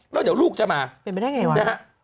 แล้วเดี๋ยวลูกจะมาเป็นไปได้ไงวะนะฮะ